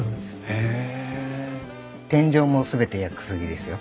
へえ。